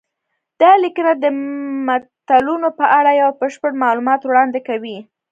دا لیکنه د متلونو په اړه یو بشپړ معلومات وړاندې کوي